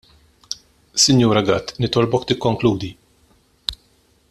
Sinjura Gatt nitolbok tikkonkludi.